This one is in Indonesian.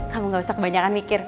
kamu gak usah kebanyakan mikir